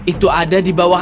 itu ada di bawah